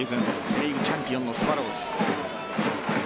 セ・リーグチャンピオンのスワローズ。